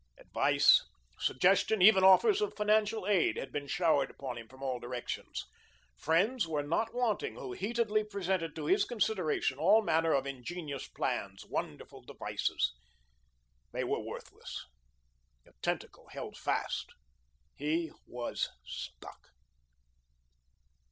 Advice, suggestion, even offers of financial aid had been showered upon him from all directions. Friends were not wanting who heatedly presented to his consideration all manner of ingenious plans, wonderful devices. They were worthless. The tentacle held fast. He was stuck.